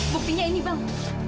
buktinya ini bang